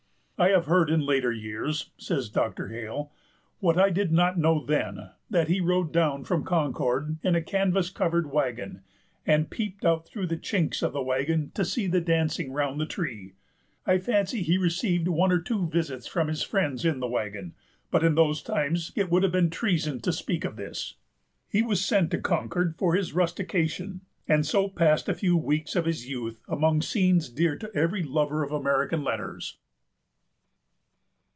"I have heard in later years," says Dr. Hale, "what I did not know then, that he rode down from Concord in a canvas covered wagon, and peeped out through the chinks of the wagon to see the dancing around the tree. I fancy he received one or two visits from his friends in the wagon; but in those times it would have been treason to speak of this." He was sent to Concord for his rustication, and so passed a few weeks of his youth amongst scenes dear to every lover of American letters.